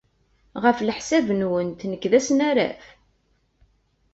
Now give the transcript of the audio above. Ɣef leḥsab-nwent, nekk d asnaraf?